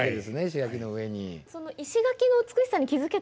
石垣の上に。